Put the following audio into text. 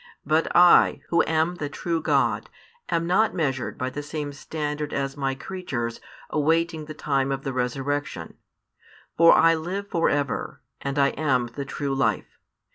But I, Who am the true God, am not measured by the same standard as My creatures awaiting the time of the resurrection. For I live for ever, and I am the True Life.